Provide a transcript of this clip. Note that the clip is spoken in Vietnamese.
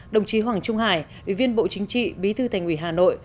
đồng chí hoàng trung hải ủy viên bộ chính trị bí thư thành ủy hà nội